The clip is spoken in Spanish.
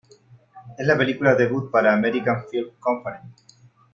Es la película debut para American Film Company.